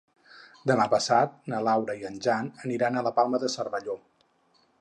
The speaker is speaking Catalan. Demà passat na Laura i en Jan aniran a la Palma de Cervelló.